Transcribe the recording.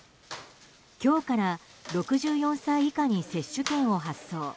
今日から６４歳以下に接種券を発送。